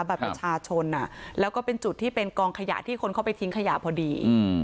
บัตรประชาชนแล้วก็เป็นจุดที่เป็นกองขยะที่คนเข้าไปทิ้งขยะพอดี